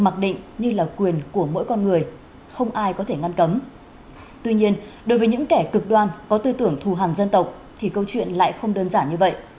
tuy nhiên đối với những kẻ cực đoan có tư tưởng thù hẳn dân tộc thì câu chuyện lại không đơn giản như vậy